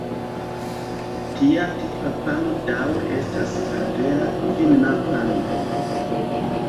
Tia tipa pano daŭre estas la vera finna pano.